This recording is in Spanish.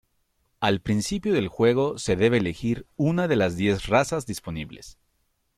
Al principio del juego se debe elegir una de las diez razas disponibles.